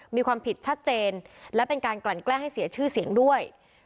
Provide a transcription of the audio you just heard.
มีความผิดชัดเจนและเป็นการกลั่นแกล้งให้เสียชื่อเสียงด้วย